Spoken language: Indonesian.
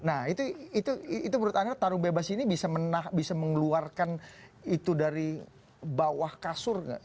nah itu menurut anda tarung bebas ini bisa mengeluarkan itu dari bawah kasur nggak